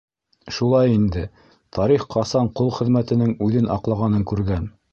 Шулай инде: тарих ҡасан ҡол хеҙмәтенең үҙен аҡлағанын күргән?